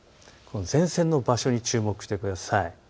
前線の場所に注目してください。